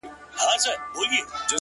• بېگانه مو په مابین کي عدالت دئ,